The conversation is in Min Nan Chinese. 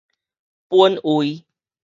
本位